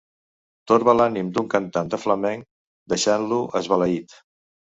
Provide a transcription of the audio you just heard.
Torba l'ànim d'un cantant de flamenc deixant-lo esbalaït.